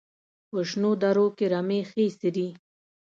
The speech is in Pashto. په شنو درو کې رمې ښې څري.